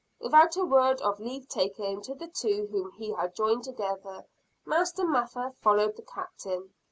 Without a word of leave taking to the two whom he had joined together, Master Mather followed the Captain.